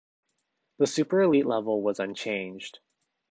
The Super Elite level was unchanged.